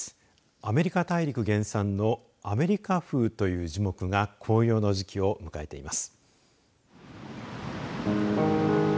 アメリカ大陸原産のアメリカフウという樹木が紅葉の時期を迎えています。